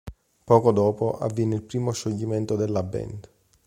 Poco dopo avviene il primo scioglimento della band.